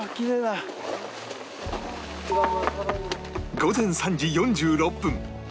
午前３時４６分